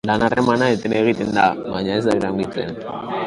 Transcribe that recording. Lan-harremana eten egiten da, baina ez da iraungitzen.